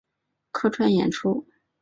客串演出